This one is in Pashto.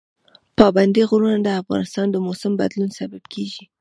پابندي غرونه د افغانستان د موسم د بدلون سبب کېږي.